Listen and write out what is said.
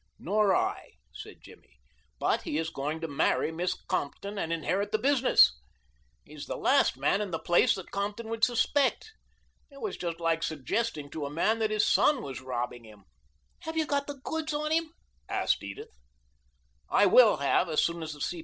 "Nor I," said Jimmy, "but he is going to marry Miss Compton and inherit the business. He's the last man in the place that Compton would suspect. It was just like suggesting to a man that his son was robbing him." "Have you got the goods on him?" asked Edith. "I will have as soon as the C.